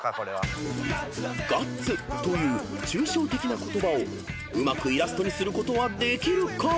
［「ガッツ」という抽象的な言葉をうまくイラストにすることはできるか］